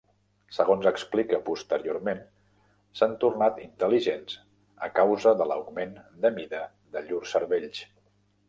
Segons explica posteriorment, s'han tornat intel·ligents a causa de l'augment de mida de llurs cervells.